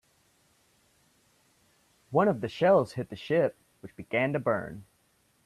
One of the shells hit the ship, which began to burn.